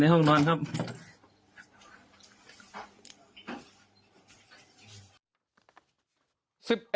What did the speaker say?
ห้องนอนครับ